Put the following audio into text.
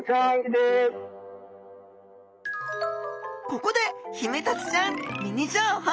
ここでヒメタツちゃんミニ情報！